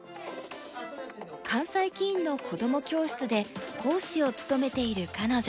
関西棋院のこども教室で講師を務めている彼女。